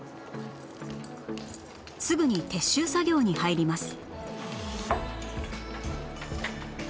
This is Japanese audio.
すぐに撤収作業に入ります